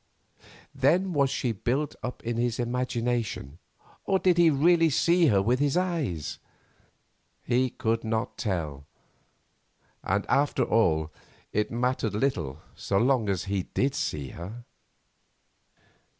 Then was she built up in his imagination, or did he really see her with his eyes? He could not tell, and after all it mattered little so long as he did see her.